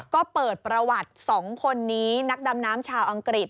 ก็เปิดประวัติ๒คนนี้นักดำน้ำชาวอังกฤษ